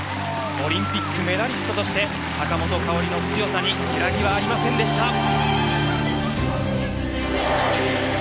オリンピックメダリストとして坂本花織の強さに揺らぎはありませんでした。